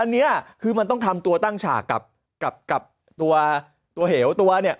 อันนี้คือมันต้องทำตัวตั้งฉากกับกับตัวเหวตัวเนี่ย